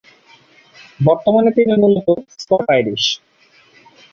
বর্তমানে তিনি মূলত স্কট-আইরিশ।